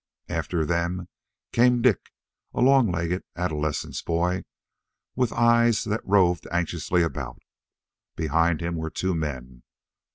After them came Dik, a long legged adolescent boy with eyes that roved anxiously about. Behind him were two men.